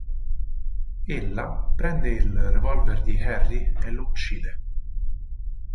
Ella prende il revolver di Harry e lo uccide.